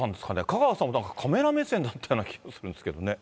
香川さん、カメラ目線だったような気がするんですけどね。